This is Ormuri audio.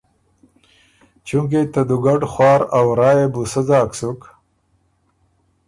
چُونکې ته دُوګډ خوار ا ورا يې بو سۀ ځاک سُک